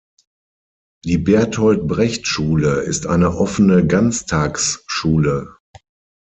Die Bertolt-Brecht-Schule ist eine offene Ganztagsschule.